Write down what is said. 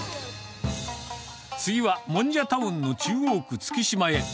次は、もんじゃタウンの中央区月島へ。